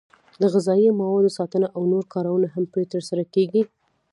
د غذایي موادو ساتنه او نور کارونه هم پرې ترسره کېږي.